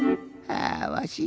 あわし